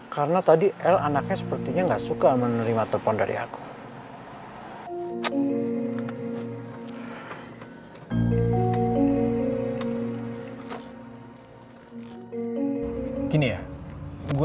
karena tadi el anaknya sepertinya gak suka menerima telepon dari aku